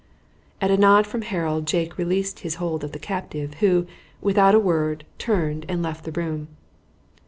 At a nod from Harold Jake released his hold of the captive, who, without a word, turned and left the room.